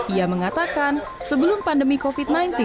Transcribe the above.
ia mengatakan sebelum pandemi covid sembilan belas